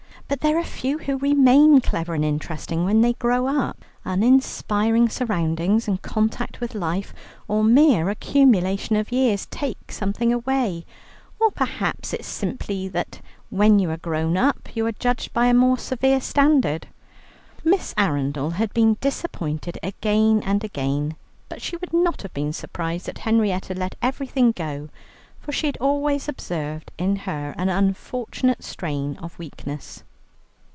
But there are few who remain clever and interesting when they grow up. Uninspiring surroundings, and contact with life, or mere accumulation of years, take something away. Or perhaps it simply is that when they are grown up they are judged by a more severe standard. Miss Arundel had been disappointed again and again. But she would not have been surprised that Henrietta let everything go, for she had always observed in her an unfortunate strain of weakness.